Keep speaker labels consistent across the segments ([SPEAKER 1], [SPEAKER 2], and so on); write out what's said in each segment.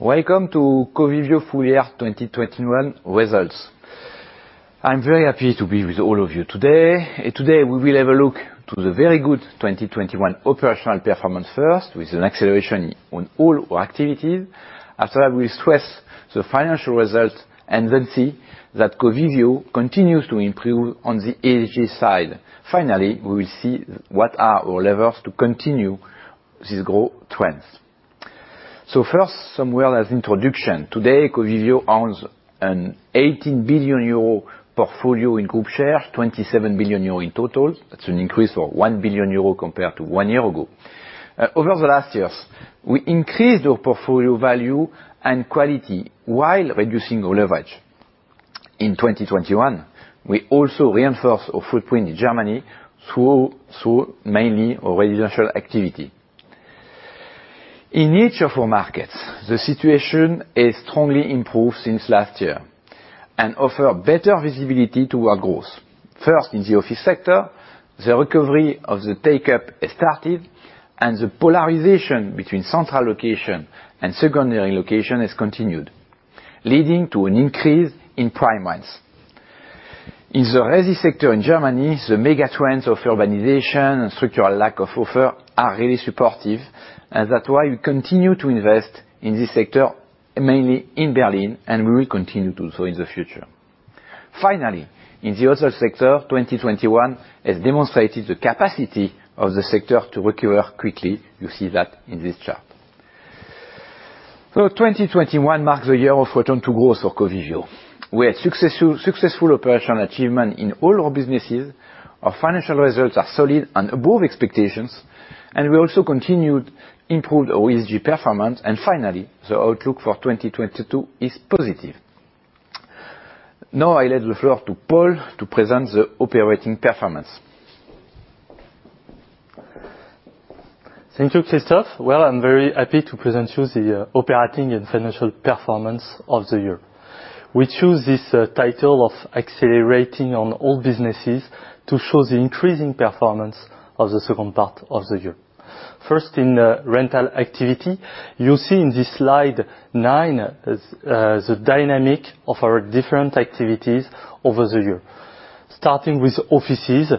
[SPEAKER 1] Welcome to Covivio Full-Year 2021 Results. I'm very happy to be with all of you today. Today, we will have a look to the very good 2021 operational performance first, with an acceleration on all our activity. After that, we stress the financial results. We see that Covivio continues to improve on the ESG side. Finally, we will see what are our levers to continue this growth trend. First, some words as introduction. Today, Covivio owns an 18 billion euro portfolio in group shares, 27 billion euro in total. That's an increase of 1 billion euro compared to one year ago. Over the last years, we increased our portfolio value and quality while reducing our leverage. In 2021, we also reinforced our footprint in Germany through mainly residential activity. In each of our markets, the situation has strongly improved since last year and offer better visibility to our growth. First, in the office sector, the recovery of the take-up has started. The polarization between central location and secondary location has continued, leading to an increase in prime ones. In the resi sector in Germany, the mega trends of urbanization and structural lack of offer are really supportive. That's why we continue to invest in this sector, mainly in Berlin. We will continue to do so in the future. Finally, in the hotel sector, 2021 has demonstrated the capacity of the sector to recover quickly. You see that in this chart. 2021 marks the year of return to growth for Covivio, where successful operational achievement in all our businesses, our financial results are solid and above expectations. We also continued improved our ESG performance. Finally, the outlook for 2022 is positive. I let the floor to Paul to present the operating performance.
[SPEAKER 2] Thank you, Christophe. I'm very happy to present you the operating and financial performance of the year. We choose this title of accelerating on all businesses to show the increasing performance of the second part of the year. First, in the rental activity, you see in this slide nine, the dynamic of our different activities over the year. Starting with offices,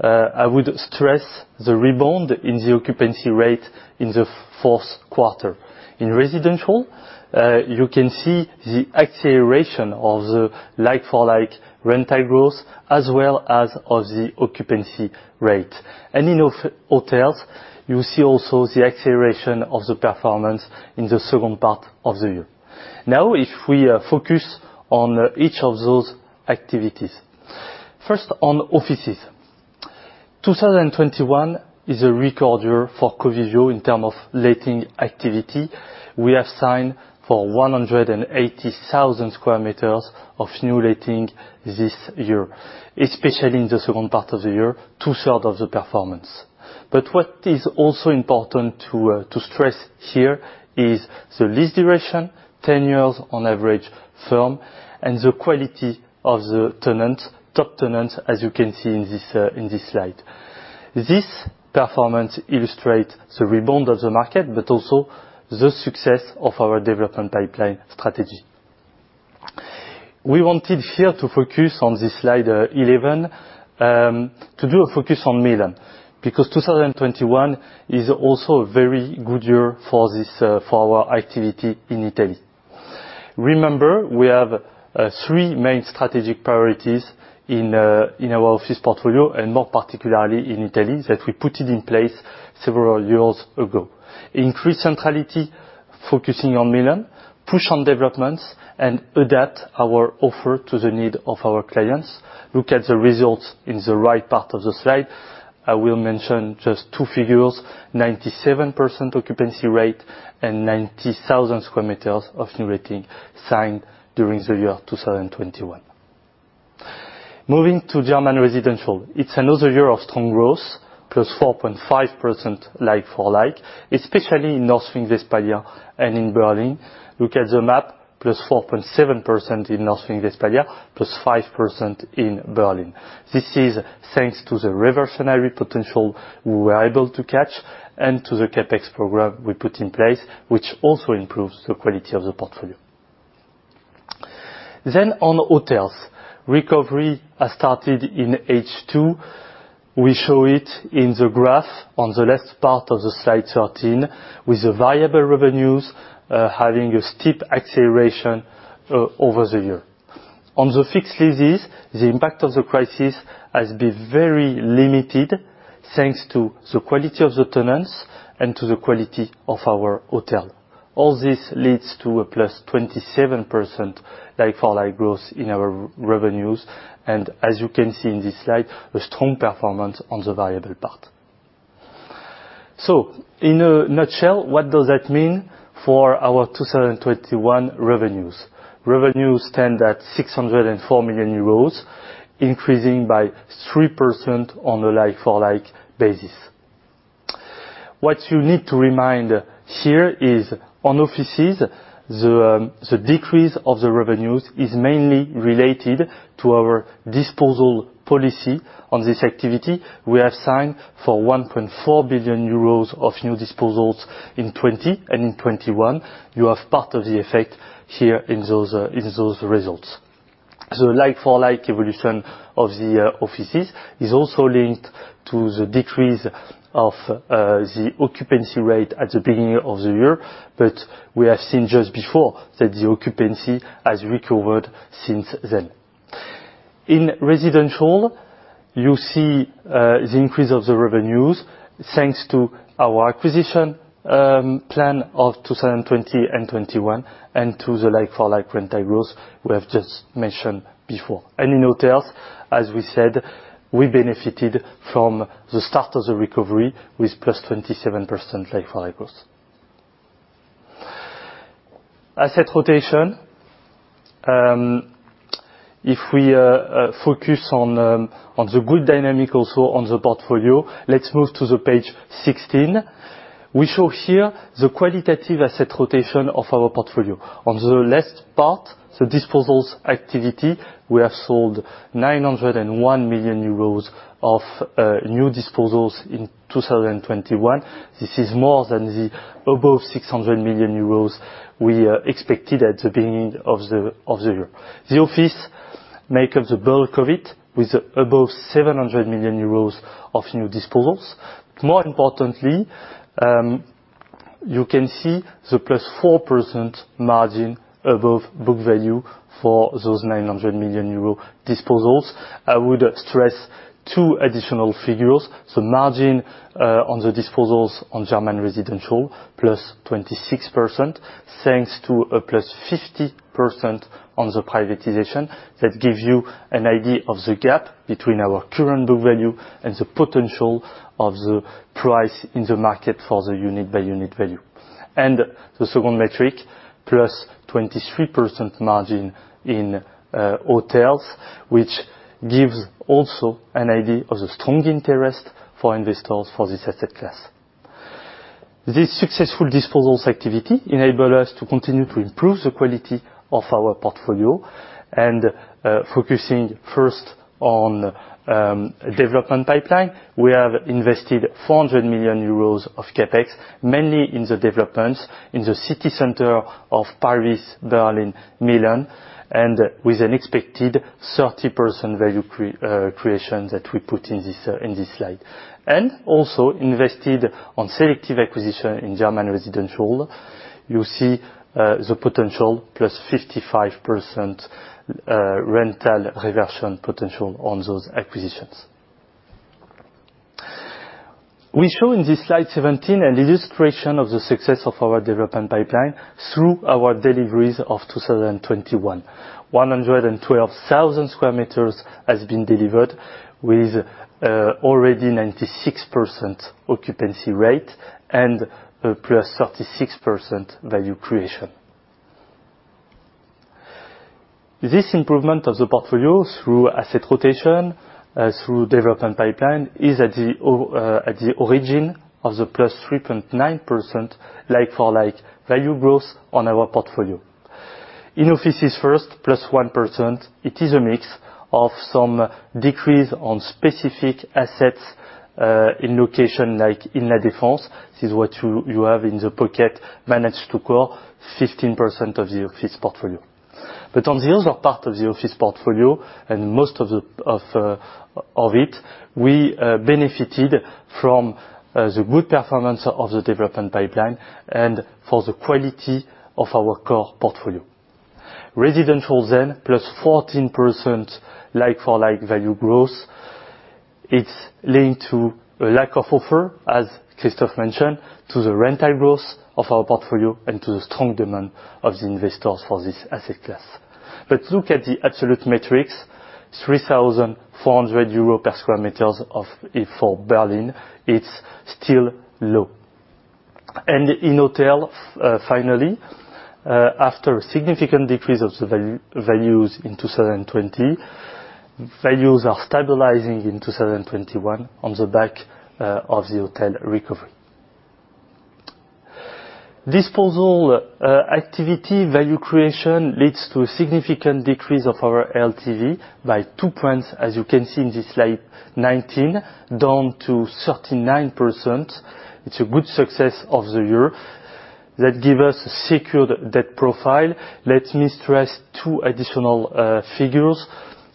[SPEAKER 2] I would stress the rebound in the occupancy rate in the fourth quarter. In residential, you can see the acceleration of the like-for-like rental growth as well as of the occupancy rate. In hotels, you see also the acceleration of the performance in the second part of the year. If we focus on each of those activities. First, on offices. 2021 is a record year for Covivio in term of letting activity. We have signed for 180,000 sq m of new letting this year, especially in the second part of the year, two-third of the performance. What is also important to stress here is the lease duration, 10 years on average firm, and the quality of the tenants, top tenants, as you can see in this slide. This performance illustrates the rebound of the market. Also the success of our development pipeline strategy. We wanted here to focus on this slide 11, to do a focus on Milan, because 2021 is also a very good year for our activity in Italy. Remember, we have three main strategic priorities in our office portfolio, and more particularly in Italy, that we put it in place several years ago. Increased centrality, focusing on Milan, push on developments, and adapt our offer to the need of our clients. Look at the results in the right part of the slide. I will mention just two figures, 97% occupancy rate and 90,000 sq m of new letting signed during the year 2021. Moving to German residential. It's another year of strong growth, plus 4.5% like-for-like, especially in North Rhine-Westphalia and in Berlin. Look at the map, plus 4.7% in North Rhine-Westphalia, plus 5% in Berlin. This is thanks to the reversionary potential we were able to catch and to the CapEx program we put in place, which also improves the quality of the portfolio. On hotels. Recovery has started in H2. We show it in the graph on the left part of the slide 13 with the variable revenues having a steep acceleration over the year. On the fixed leases, the impact of the crisis has been very limited thanks to the quality of the tenants and to the quality of our hotel. All this leads to a plus 27% like-for-like growth in our revenues, and as you can see in this slide, a strong performance on the variable part. In a nutshell, what does that mean for our 2021 revenues? Revenues stand at 604 million euros, increasing by 3% on a like-for-like basis. What you need to remind here is on offices. The decrease of the revenues is mainly related to our disposal policy on this activity. We have signed for 1.4 billion euros of new disposals in 2020 and in 2021. You have part of the effect here in those results. Like-for-like evolution of the offices is also linked to the decrease of the occupancy rate at the beginning of the year. We have seen just before that the occupancy has recovered since then. In residential, you see the increase of the revenues thanks to our acquisition plan of 2020 and 2021, and to the like-for-like rental growth we have just mentioned before. In hotels, as we said, we benefited from the start of the recovery with plus 27% like-for-like growth. Asset rotation. If we focus on the good dynamic also on the portfolio, let's move to the page 16. We show here the qualitative asset rotation of our portfolio. On the left part, the disposals activity, we have sold 901 million euros of new disposals in 2021. This is more than the above 600 million euros we expected at the beginning of the year. The office make up the bulk of it, with above 700 million euros of new disposals. More importantly, you can see the plus 4% margin above book value for those 900 million euro disposals. I would stress two additional figures. Margin on the disposals on German residential, plus 26%, thanks to a plus 50% on the privatization. That gives you an idea of the gap between our current book value and the potential of the price in the market for the unit by unit value. The second metric, plus 23% margin in hotels, which gives also an idea of the strong interest for investors for this asset class. This successful disposals activity enable us to continue to improve the quality of our portfolio. Focusing first on development pipeline, we have invested 400 million euros of CapEx, mainly in the developments in the city center of Paris, Berlin, Milan, and with an expected 30% value creation that we put in this slide. Also invested on selective acquisition in German residential. You see the potential, +55% rental reversion potential on those acquisitions. We show in this slide 17 an illustration of the success of our development pipeline through our deliveries of 2021. 112,000 sq m has been delivered with already +96% occupancy rate and a +36% value creation. This improvement of the portfolio through asset rotation, through development pipeline, is at the origin of the +3.9% like-for-like value growth on our portfolio. In offices first, +1%, it is a mix of some decrease on specific assets in location like in La Défense. This is what you have in the pocket manage-to-core 15% of the office portfolio. On the other part of the office portfolio, and most of it, we benefited from the good performance of the development pipeline and for the quality of our core portfolio. Residential, +14% like-for-like value growth. It's linked to a lack of offer, as Christophe mentioned, to the rental growth of our portfolio and to the strong demand of the investors for this asset class. Look at the absolute metrics, 3,400 euros per sq m for Berlin, it's still low. In hotel, finally, after a significant decrease of the values in 2020, values are stabilizing in 2021 on the back of the hotel recovery. Disposal activity value creation leads to a significant decrease of our LTV by two points, as you can see in this slide 19, down to 39%. It's a good success of the year that give us secured debt profile. Let me stress two additional figures.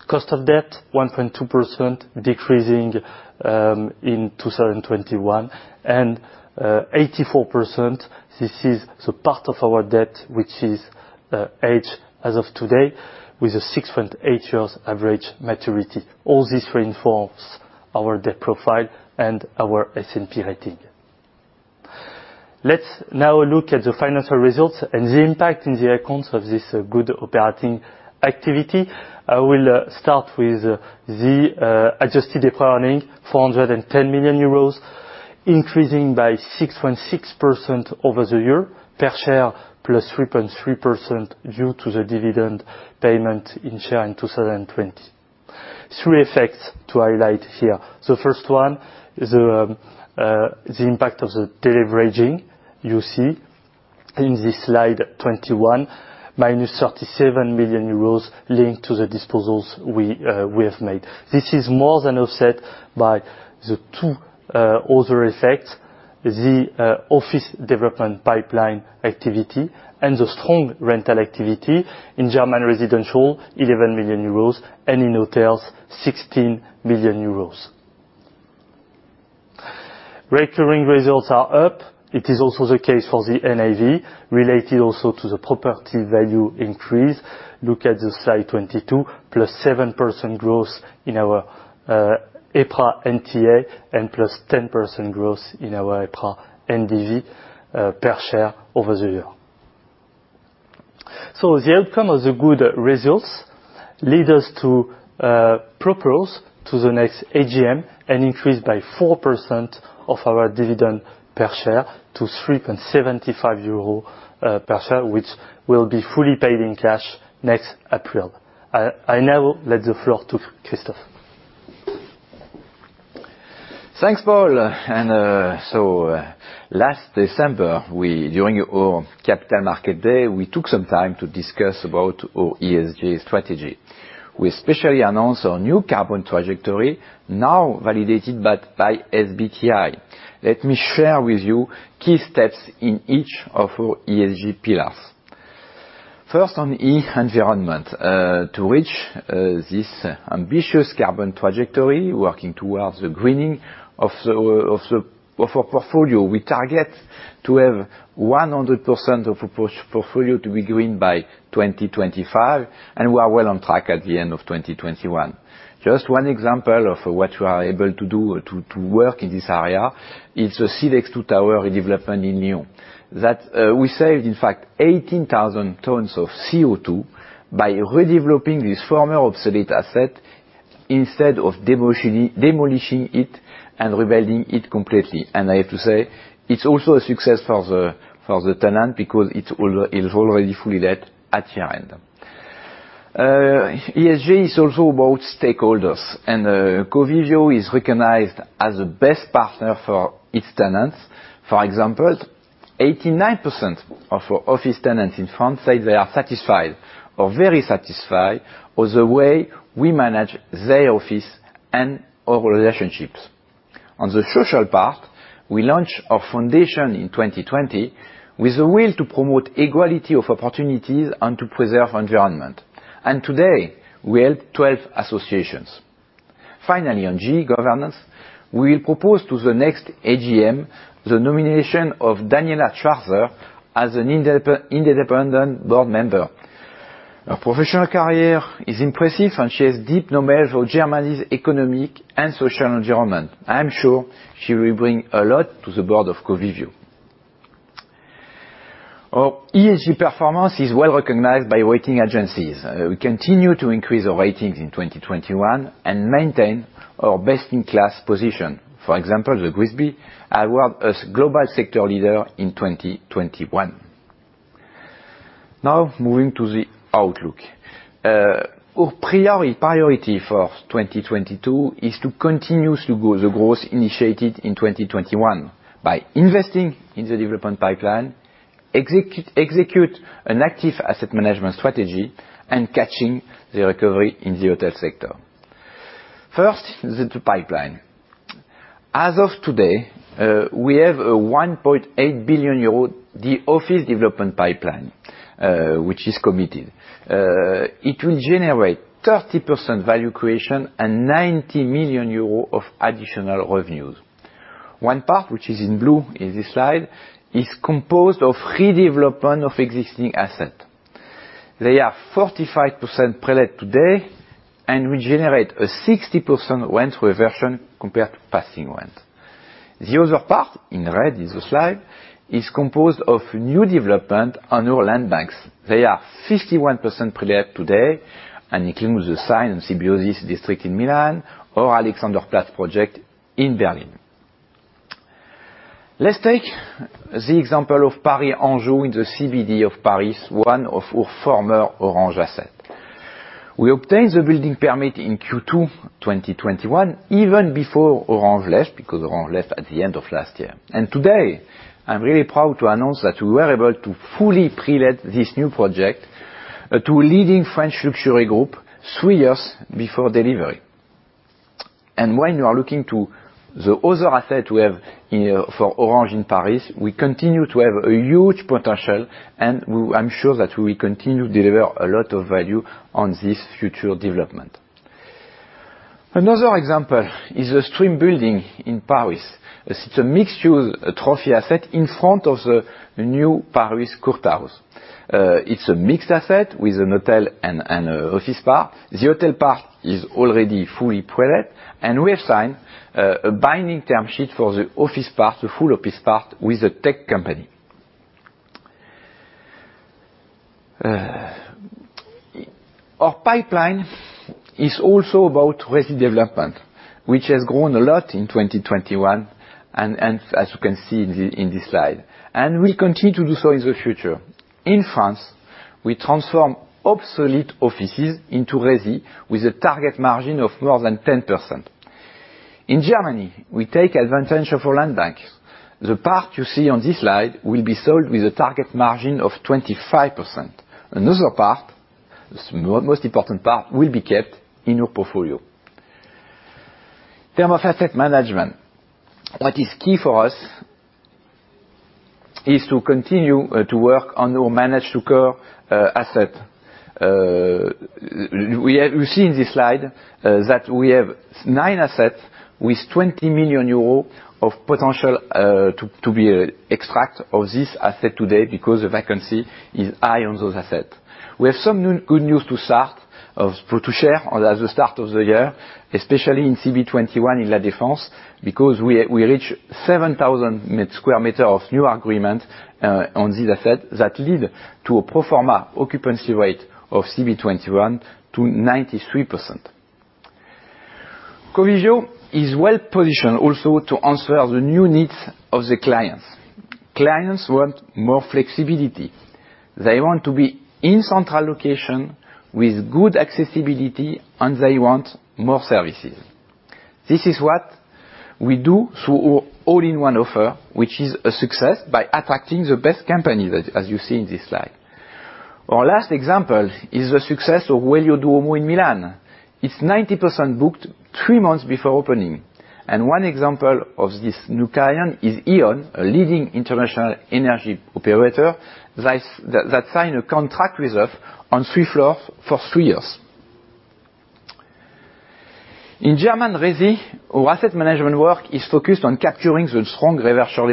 [SPEAKER 2] Cost of debt, 1.2% decreasing in 2021, and 84%, this is the part of our debt which is aged as of today with a 6.8 years average maturity. All this reinforces our debt profile and our S&P rating. Let's now look at the financial results and the impact in the accounts of this good operating activity. I will start with the adjusted EBITDA recurring, 410 million euros, increasing by 6.6% over the year. Per share, +3.3% due to the dividend payment in share in 2020. Three effects to highlight here. The first one is the impact of the deleveraging you see in this slide 21, -37 million euros linked to the disposals we have made. This is more than offset by the two other effects, the office development pipeline activity and the strong rental activity in German residential, 11 million euros, and in hotels, 16 million euros. Recurring results are up. It is also the case for the NAV, related also to the property value increase. Look at the slide 22, +7% growth in our EPRA NTA and +10% growth in our EPRA NDV per share over the year. The outcome of the good results lead us to propose to the next AGM an increase by 4% of our dividend per share to 3.75 euros per share, which will be fully paid in cash next April. I now let the floor to Christophe.
[SPEAKER 1] Thanks, Paul. Last December, during our capital market day, we took some time to discuss about our ESG strategy. We especially announced our new carbon trajectory, now validated by SBTi. Let me share with you key steps in each of our ESG pillars. First, on E, environment. To reach this ambitious carbon trajectory, working towards the greening of our portfolio, we target to have 100% of our portfolio to be green by 2025, and we are well on track at the end of 2021. Just one example of what we are able to do to work in this area, is the Silex² Tower redevelopment in Lyon. We saved, in fact, 18,000 tons of CO2 by redeveloping this former obsolete asset instead of demolishing it and rebuilding it completely. I have to say, it's also a success for the tenant because it's already fully let at year-end. ESG is also about stakeholders, Covivio is recognized as the best partner for its tenants. For example, 89% of our office tenants in France say they are satisfied or very satisfied with the way we manage their office and our relationships. On the social part, we launched our foundation in 2020 with the will to promote equality of opportunities and to preserve environment. Today, we help 12 associations. Finally, on G, governance, we will propose to the next AGM the nomination of Daniela Schwarzer as an independent board member. Her professional career is impressive, she has deep knowledge of Germany's economic and social environment. I am sure she will bring a lot to the board of Covivio. Our ESG performance is well-recognized by rating agencies. We continue to increase our ratings in 2021 and maintain our best-in-class position. For example, the GRESB award as global sector leader in 2021. Moving to the outlook. Our priority for 2022 is to continue the growth initiated in 2021 by investing in the development pipeline, execute an active asset management strategy, catching the recovery in the hotel sector. First, the pipeline. As of today, we have a 1.8 billion euro office development pipeline, which is committed. It will generate 30% value creation 90 million euros of additional revenues. One part, which is in blue in this slide, is composed of redevelopment of existing asset. They are 45% prelet today will generate a 60% rent reversion compared to passing rent. The other part, in red in the slide, is composed of new development on our land banks. They are 51% prelet today includes The Sign and Symbiosis District in Milan or Alexanderplatz project in Berlin. Let's take the example of Paris Anjou in the CBD of Paris, one of our former Orange asset. We obtained the building permit in Q2 2021, even before Orange left, because Orange left at the end of last year. Today, I'm really proud to announce that we were able to fully prelet this new project to a leading French luxury group three years before delivery. When you are looking to the other asset we have for Orange in Paris, we continue to have a huge potential, I'm sure that we will continue to deliver a lot of value on this future development. Another example is the Stream Building in Paris. It's a mixed-use trophy asset in front of the new Paris courthouse. It's an hotel and an office part. The hotel part is already fully prelet. We have signed a binding term sheet for the office part, the full office part, with a tech company. Our pipeline is also about redevelopment. Which has grown a lot in 2021. As you can see in this slide, we continue to do so in the future. In France, we transform obsolete offices into resi with a target margin of more than 10%. In Germany, we take advantage of our land banks. The part you see on this slide will be sold with a target margin of 25%. Another part, most important part, will be kept in our portfolio. In term of asset management, what is key for us is to continue to work on our manage-to-core assets. We see in this slide that we have nine assets with 20 million euros of potential to be extract of this asset today because the vacancy is high on those assets. We have some good news to start, to share at the start of the year, especially in CB21 in La Défense, because we reached 7,000 sq m of new agreement on this asset that lead to a pro forma occupancy rate of CB21 to 93%. Covivio is well-positioned also to answer the new needs of the clients. Clients want more flexibility. They want to be in central location with good accessibility, and they want more services. This is what we do through our all-in-one offer, which is a success by attracting the best companies, as you see in this slide. Our last example is the success of Well Duomo in Milan. It's 90% booked three months before opening, and one example of this new client is E.ON, a leading international energy operator that signed a contract with us on three floors for three years. In German resi, our asset management work is focused on capturing the strong reversal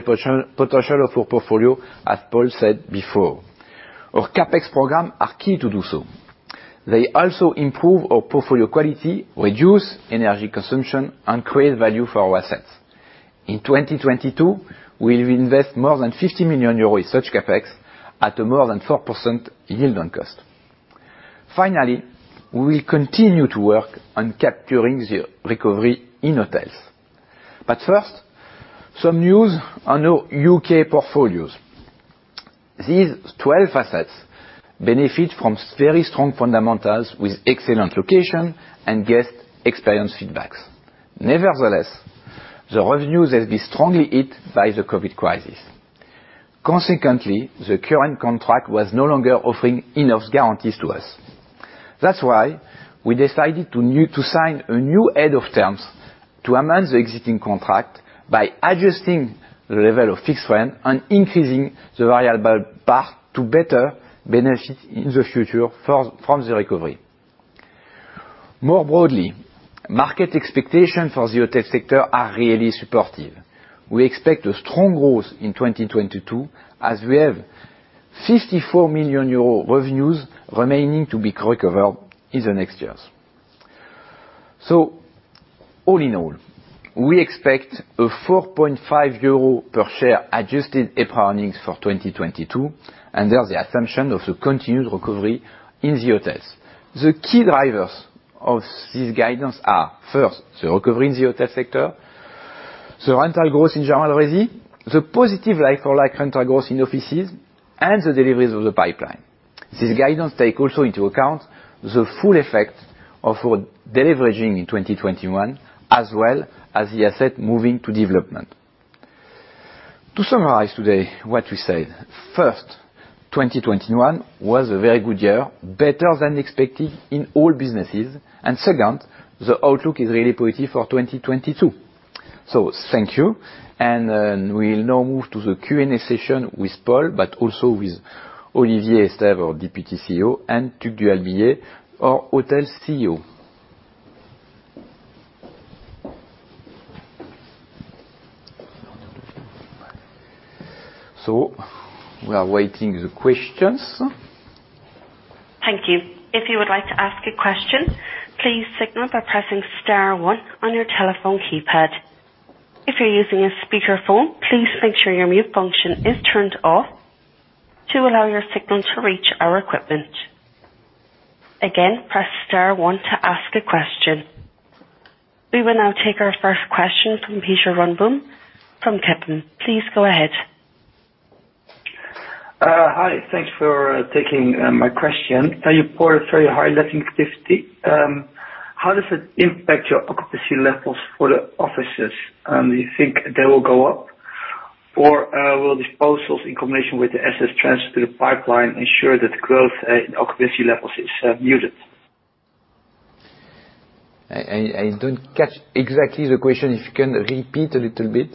[SPEAKER 1] potential of our portfolio, as Paul said before. Our CapEx program are key to do so. They also improve our portfolio quality, reduce energy consumption, and create value for our assets. In 2022, we will invest more than 50 million euros in such CapEx at a more than 4% yield on cost. Finally, we will continue to work on capturing the recovery in hotels. First, some news on our U.K. portfolios. These 12 assets benefit from very strong fundamentals with excellent location and guest experience feedbacks. Nevertheless, the revenues have been strongly hit by the COVID crisis. Consequently, the current contract was no longer offering enough guarantees to us. That's why we decided to sign a new head of terms to amend the existing contract by adjusting the level of fixed rent and increasing the variable part to better benefit in the future from the recovery. More broadly, market expectations for the hotel sector are really supportive. We expect a strong growth in 2022 as we have 54 million euro revenues remaining to be recovered in the next years. All in all, we expect a 4.5 euro per share adjusted EPRA earnings for 2022, under the assumption of the continued recovery in the hotels. The key drivers of this guidance are, first, the recovery in the hotel sector, the rental growth in German resi, the positive like-for-like rental growth in offices, and the deliveries of the pipeline. This guidance takes also into account the full effect of our deleveraging in 2021, as well as the asset moving to development. To summarize today what we said, first, 2021 was a very good year, better than expected in all businesses. Second, the outlook is really positive for 2022. Thank you. We'll now move to the Q&A session with Paul, but also with Olivier Estève, our Deputy CEO, and Tugdual Millet, our Hotels CEO. We are waiting the questions.
[SPEAKER 3] Thank you. If you would like to ask a question, please signal by pressing star one on your telephone keypad. If you're using a speakerphone, please make sure your mute function is turned off to allow your signal to reach our equipment. Again, press star one to ask a question. We will now take our first question from Pieter Runneboom from Kempen. Please go ahead.
[SPEAKER 4] Hi. Thanks for taking my question. You report a very high letting activity. How does it impact your occupancy levels for the offices? Do you think they will go up? Or will disposals in combination with the assets transferred to the pipeline ensure that growth in occupancy levels is muted?
[SPEAKER 1] I don't catch exactly the question. If you can repeat a little bit.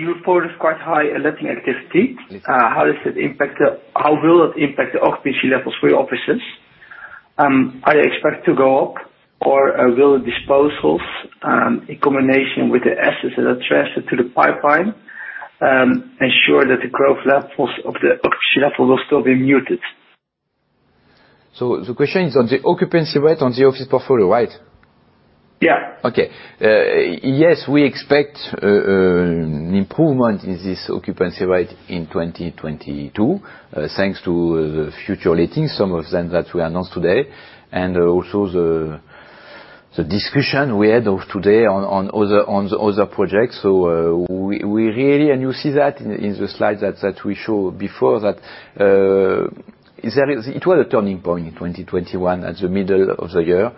[SPEAKER 4] You report quite high letting activity.
[SPEAKER 1] Yes.
[SPEAKER 4] How will it impact the occupancy levels for your offices? Are they expected to go up, or will the disposals, in combination with the assets that are transferred to the pipeline, ensure that the growth levels of the occupancy levels will still be muted?
[SPEAKER 1] The question is on the occupancy rate on the office portfolio, right?
[SPEAKER 4] Yeah.
[SPEAKER 1] Okay. Yes, we expect an improvement in this occupancy rate in 2022, thanks to the future lettings, some of them that we announced today, and also the discussion we had today on the other projects. We really, and you see that in the slide that we showed before, that it was a turning point in 2021 at the middle of the year.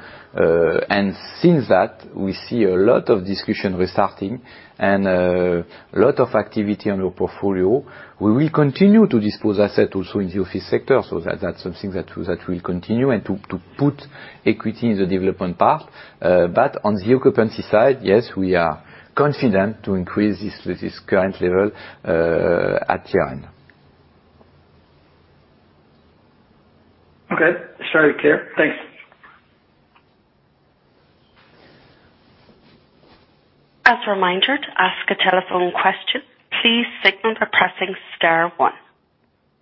[SPEAKER 1] Since that, we see a lot of discussion restarting and a lot of activity on our portfolio. We will continue to dispose asset also in the office sector. That's something that will continue and to put equity in the development part. On the occupancy side, yes, we are confident to increase this current level at year-end.
[SPEAKER 4] Okay. It's very clear. Thanks.
[SPEAKER 3] As a reminder, to ask a telephone question, please signal by pressing star one.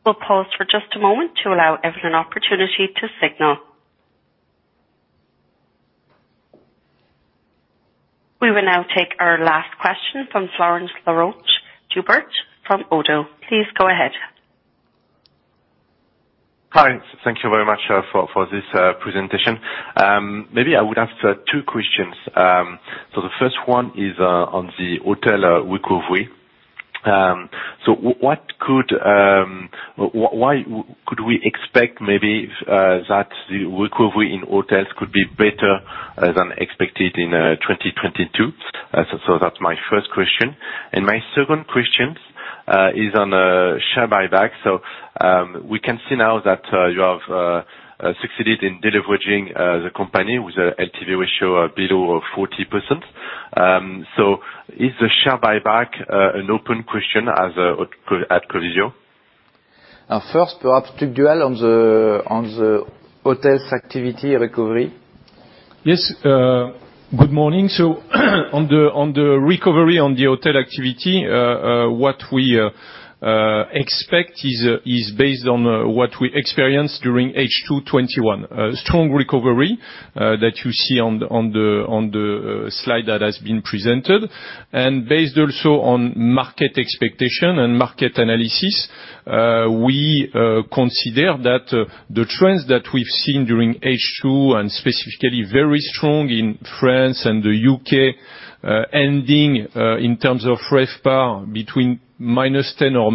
[SPEAKER 3] We will pause for just a moment to allow everyone opportunity to signal. We will now take our last question from Florence Laroche-Dubert from Oddo. Please go ahead.
[SPEAKER 5] Hi. Thank you very much for this presentation. Maybe I would have two questions. The first one is on the hotel recovery. Why could we expect maybe that the recovery in hotels could be better than expected in 2022? That's my first question. My second question is on share buyback. We can see now that you have succeeded in deleveraging the company with a LTV ratio below 40%. Is the share buyback an open question at Covivio?
[SPEAKER 1] First, perhaps to Tugdual on the hotels activity recovery.
[SPEAKER 6] Yes. Good morning. On the recovery on the hotel activity, what we expect is based on what we experienced during H2 2021. A strong recovery, that you see on the slide that has been presented. Based also on market expectation and market analysis, we consider that the trends that we've seen during H2 and specifically very strong in France and the U.K., ending in terms of RevPAR between -10% or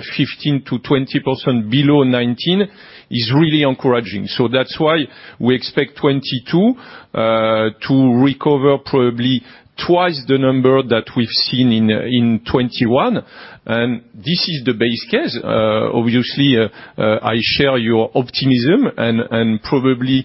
[SPEAKER 6] -15% to 20% below 2019, is really encouraging. That's why we expect 2022 to recover probably twice the number that we've seen in 2021. This is the base case. Obviously, I share your optimism, and probably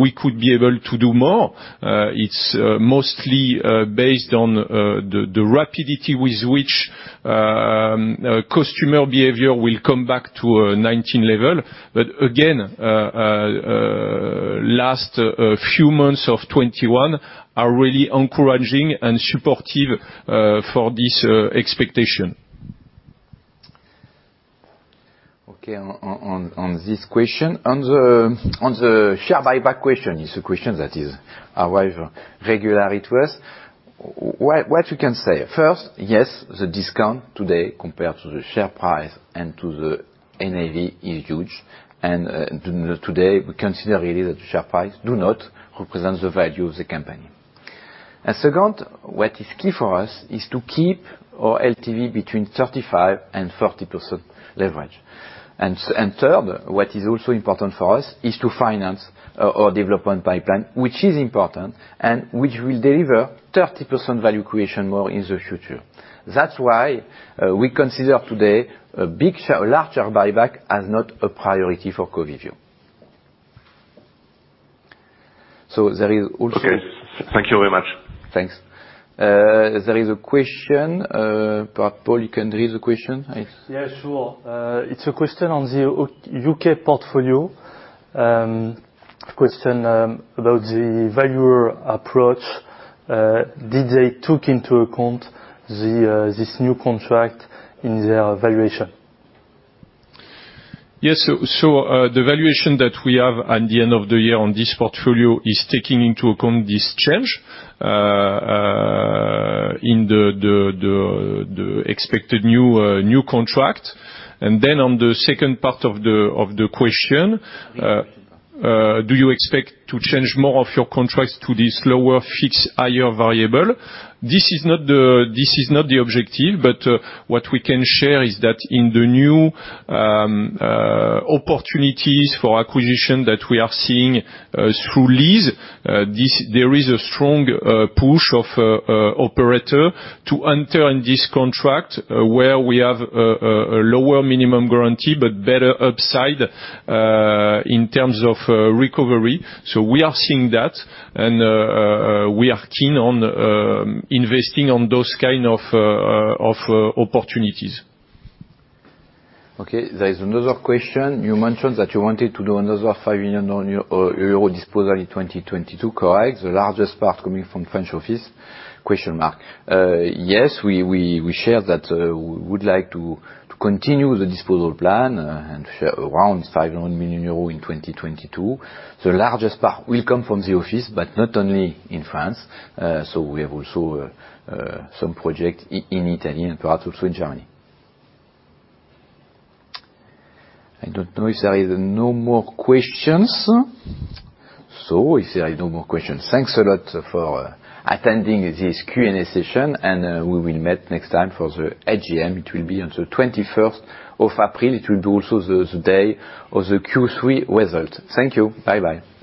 [SPEAKER 6] we could be able to do more. It's mostly based on the rapidity with which customer behavior will come back to 2019 level. Again, last few months of 2021 are really encouraging and supportive for this expectation.
[SPEAKER 1] Okay. On this question, on the share buyback question, it's a question that is arrive regularly to us. What we can say, first, yes, the discount today compared to the share price and to the NAV is huge. Today, we consider really that the share price do not represent the value of the company. Second, what is key for us is to keep our LTV between 35% and 40% leverage. Third, what is also important for us is to finance our development pipeline, which is important and which will deliver 30% value creation more in the future. That's why we consider today a large share buyback as not a priority for Covivio. There is also-
[SPEAKER 5] Okay. Thank you very much.
[SPEAKER 1] Thanks. There is a question, perhaps Paul you can read the question.
[SPEAKER 2] Yeah, sure. It's a question on the U.K. portfolio. Question about the valuer approach. Did they take into account this new contract in their valuation?
[SPEAKER 6] Yes. The valuation that we have at the end of the year on this portfolio is taking into account this change in the expected new contract. On the second part of the question, do you expect to change more of your contracts to this lower fixed, higher variable? This is not the objective, but what we can share is that in the new opportunities for acquisition that we are seeing through lease, there is a strong push of operator to enter in this contract where we have a lower minimum guarantee, but better upside, in terms of recovery. We are seeing that, and we are keen on investing on those kind of opportunities.
[SPEAKER 1] Okay. There is another question. You mentioned that you wanted to do another 500 million euro on your disposal in 2022, correct? The largest part coming from French office? Yes, we share that we would like to continue the disposal plan and around 500 million euros in 2022. The largest part will come from the office, but not only in France. We have also some project in Italy and perhaps also in Germany. I don't know if there is no more questions. If there are no more questions, thanks a lot for attending this Q&A session, and we will meet next time for the AGM. It will be on the 21st of April. It will be also the day of the Q3 result. Thank you. Bye-bye.